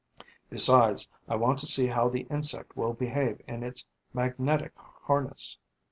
Besides, I want to see how the insect will behave in its magnetic harness.